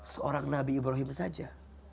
seorang nabi ibrahim saja